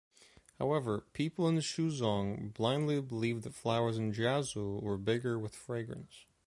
However, people in Shuzhong blindly believed that flowers in Jiazhou were bigger with fragrance.